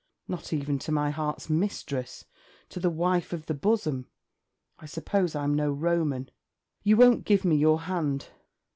Not even to my heart's mistress! to the wife of the bosom! I suppose I'm no Roman. You won't give me your hand?